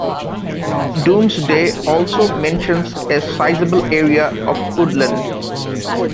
Domesday also mentions a sizable area of woodland.